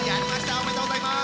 おめでとうございます！